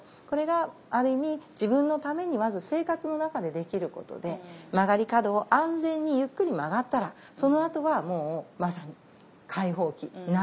これがある意味自分のためにまず生活の中でできることで曲がり角を安全にゆっくり曲がったらそのあとはもうまさに解放期凪。